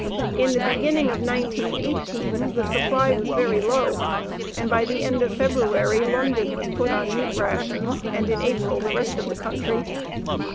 In the beginning of 1918 the supply was very low, and by the end of February London was put on meat rations, and in April the rest of the country.